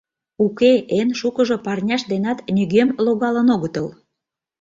Уке, эн шукыжо парняшт денат нигӧм логалын огытыл...